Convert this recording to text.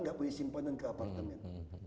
nggak punya simpanan ke apartemen